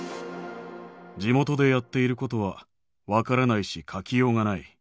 地元でやっていることは分からないし、書きようがない。